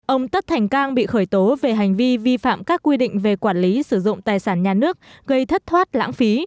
ông tất thành cang bị khởi tố về hành vi vi phạm các quy định về quản lý sử dụng tài sản nhà nước gây thất thoát lãng phí